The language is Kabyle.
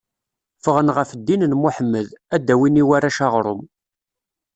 Ffɣen ɣef ddin n Muḥemmed, ad d-awin i warrac aɣrum.